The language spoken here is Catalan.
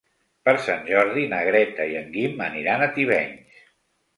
Per Sant Jordi na Greta i en Guim aniran a Tivenys.